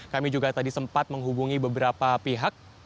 kami juga tadi sempat menghubungi beberapa pihak